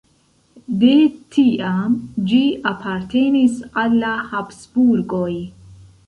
De tiam ĝi apartenis al la Habsburgoj.